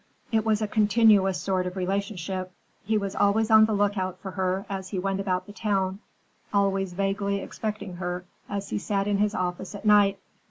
It was a continuous sort of relationship. He was always on the lookout for her as he went about the town, always vaguely expecting her as he sat in his office at night.